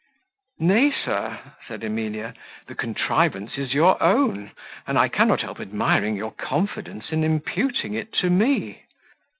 "Nay, sir," said Emilia, "the contrivance is your own; and I cannot help admiring your confidence in imputing it to me."